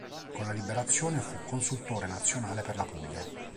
Con la liberazione fu consultore nazionale per la Puglia.